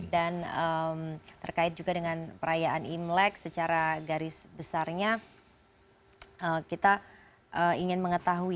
dan terkait juga dengan perayaan imlek secara garis besarnya kita ingin mengetahui